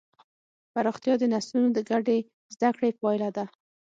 پراختیا د نسلونو د ګډې زدهکړې پایله ده.